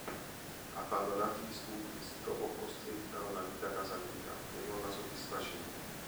Abbandonati gli studi, si trovò costretta a una vita casalinga che non la soddisfaceva.